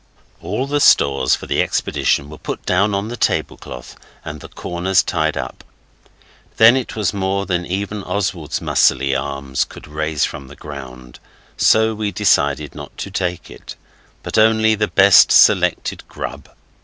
All the stores for the expedition were put down on the tablecloth and the corners tied up. Then it was more than even Oswald's muscley arms could raise from the ground, so we decided not to take it, but only the best selected grub.